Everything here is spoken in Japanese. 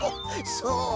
そう？